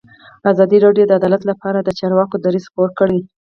ازادي راډیو د عدالت لپاره د چارواکو دریځ خپور کړی.